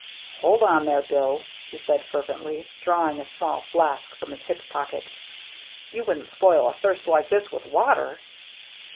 "Hold on there. Bill/* he said fervently, drawing a small flask from his hip pocket, "you wouldn't spoil a thirst like this with water